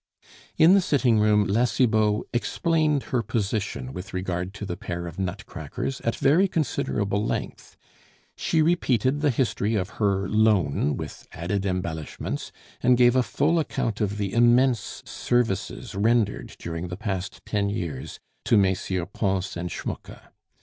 In the sitting room La Cibot explained her position with regard to the pair of nutcrackers at very considerable length. She repeated the history of her loan with added embellishments, and gave a full account of the immense services rendered during the past ten years to MM. Pons and Schmucke.